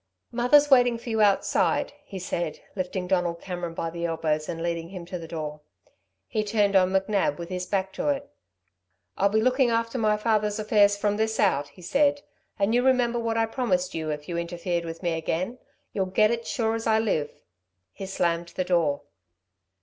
"Mother's waiting for you outside," he said, lifting Donald Cameron by the elbows and leading him to the door. He turned on McNab with his back to it. "I'll be looking after my father's affairs from this out," he said. "And you remember what I promised you if you interfered with me again ... you'll get it sure as I live." He slammed the door.